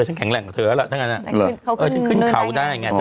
ฉันแข็งแรงกว่าเธอแล้วล่ะถ้างั้นฉันขึ้นเขาได้ไงเธอ